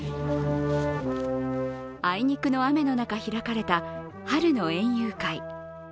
あいにくの雨の中、開かれた春の園遊会。